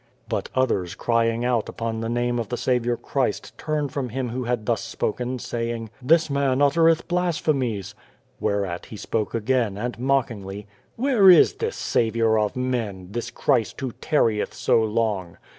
But others crying out upon the name of the Saviour Christ turned from him who had thus spoken, saying : 55 God and the Ant " This man uttereth blasphemies." Where at he spoke again, and mockingly :" Where is this Saviour of Men, this Christ who tarrieth so long